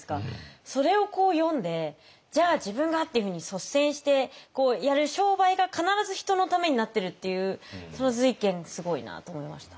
それを読んで「じゃあ自分が！」っていうふうに率先してやる商売が必ず人のためになってるっていうその瑞賢すごいなと思いました。